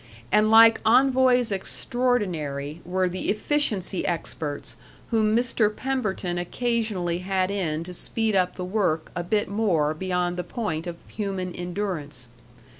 And like envoys extraordinary were the efficiency experts whom Mr. Pemberton occasionally had in to speed up the work a bit more beyond the point of human endurance....